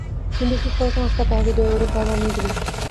হিন্দুর শিক্ষা ও সংস্কার তাহার হৃদয়ে ঐরূপ ভাব আনিয়া দিবে।